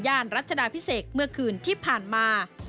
รัชดาพิเศษเมื่อคืนที่ผ่านมา